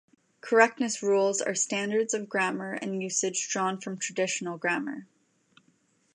Correctness rules are standards of grammar and usage drawn from traditional grammar.